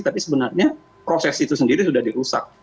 tapi sebenarnya proses itu sendiri sudah dirusak